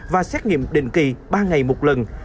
và xét nghiệm định kỳ ba ngày một lần